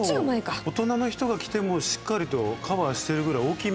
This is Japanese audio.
結構大人の人が着てもしっかりとカバーしてるぐらい大きめですね。